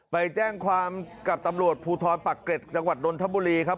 ไปแจ้งความกับตำรวจภูทรปักเกร็ดจังหวัดนนทบุรีครับ